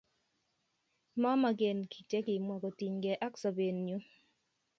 Mamaken kiy che kimwa kotinykey ak sobennyu